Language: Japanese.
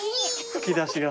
吹き出しが。